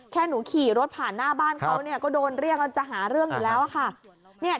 แค่หนูขี่รถผ่านหน้าบ้านเขาก็โดนเรียกแล้วจะหาเรื่องอยู่แล้วค่ะ